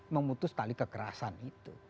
memutus tali kekerasan itu